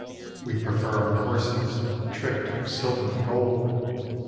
We prefer our horses tricked with silver and gold.